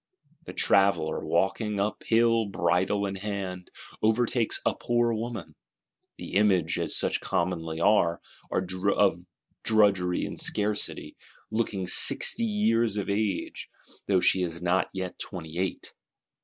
The Traveller, "walking up hill bridle in hand," overtakes "a poor woman;" the image, as such commonly are, of drudgery and scarcity; "looking sixty years of age, though she is not yet twenty eight."